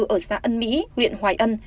ở xã ân mỹ huyện hoài ân